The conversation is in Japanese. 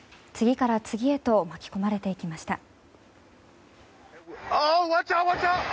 次から次へと巻き込まれていきました。